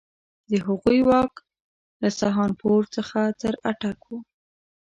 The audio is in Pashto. د هغوی واک له سهارنپور څخه تر اټک وو.